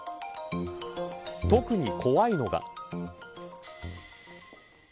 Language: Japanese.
特に怖いのが。